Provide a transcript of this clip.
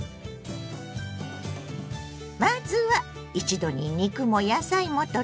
まずは一度に肉も野菜もとれる！